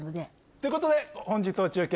ということで本日の中継